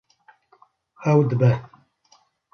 Ew dibe